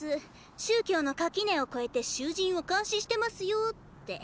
宗教の垣根を越えて囚人を監視してますよって。